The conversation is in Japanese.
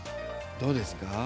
どうですか？